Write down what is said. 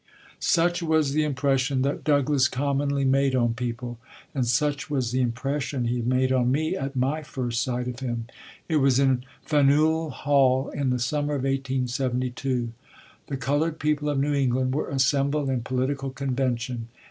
Such was the impression that Douglass commonly made on people, and such was the impression he made on me at my first sight of him. It was in Faneuil Hall, in the summer of 1872. The colored people of New England were assembled in political convention.